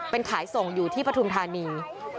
เป็นขายส่งอยู่ที่ปฐุมธานี